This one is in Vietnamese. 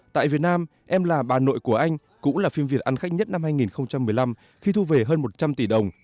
tại việt nam em là bà nội của anh cũng là phim việt ăn khách nhất năm hai nghìn một mươi năm khi thu về hơn một trăm linh tỷ đồng